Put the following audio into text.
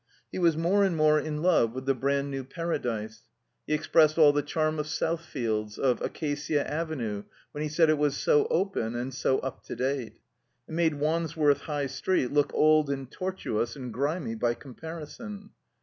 He was more and more in love with the brand new Paradise. He expressed all the charm of Southfields, of Acacia Avenue, when he said it was "so open, and so up to date." It made Wandsworth High Street look old and tortuous and grimy by comparison.